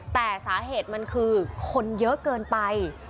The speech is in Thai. แต่สาเหตุมันคือคนเยอะเกินไป